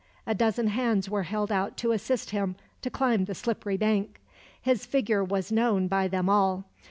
A dozen hands were held out to assist him to climb the slippery bank. His figure was known by them all.